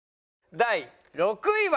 第６位は。